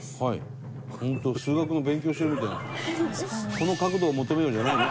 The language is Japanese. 「この角度を求めよ」じゃないの？